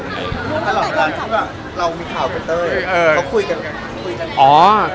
ถ้าหลังจากนั้นคือเรามีข่าวกับเต้ยเขาคุยกันกัน